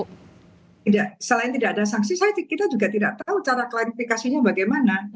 selain tidak ada sanksi kita juga tidak tahu cara klarifikasinya bagaimana